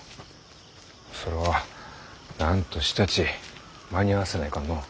それはなんとしたち間に合わせないかんのう。